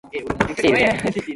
来ているね。